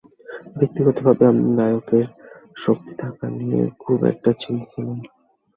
ব্যক্তিগত ভাবে আমি নায়কের শক্তি থাকা নিয়ে আমি খুব একটা চিন্তিত নই।